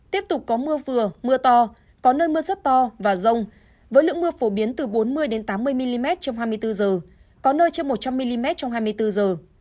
tiếp tục có mưa vừa mưa to có nơi mưa rất to và rông với lượng mưa phổ biến từ bốn mươi tám mươi mm trong hai mươi bốn giờ có nơi trên một trăm linh mm trong hai mươi bốn giờ